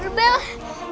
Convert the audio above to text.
siapa ini belajar apa